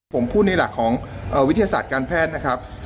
ผมพูดในหลักของวิทยาศาสตร์การแพทย์นะครับ